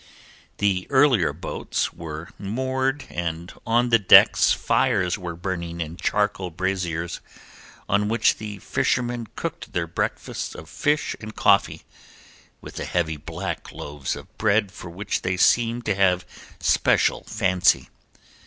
The earlier boats were moored and on the decks fires were burning in charcoal braziers, on which the fishermen cooked their breakfasts of fish and coffee, with the heavy black loaves of bread for which they seem to have special fancy.